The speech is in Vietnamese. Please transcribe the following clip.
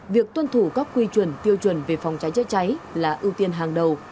việc tuân thủ các quy chuẩn tiêu chuẩn về phòng cháy chữa cháy là ưu tiên hàng đầu